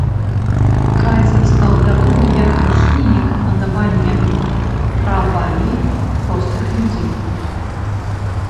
Кайзер стаў вядомы як прыхільнік надавання правамі простых людзей.